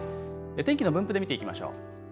天気の分布で見ていきましょう。